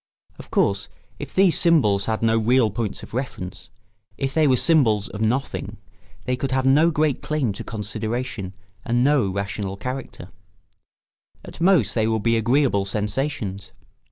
Of course, if these symbols had no real points of reference, if they were symbols of nothing, they could have no great claim to consideration and no rational character; at most they would be agreeable sensations.